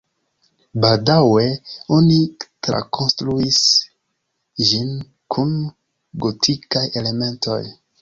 Baldaŭe oni trakonstruis ĝin kun gotikaj elementoj.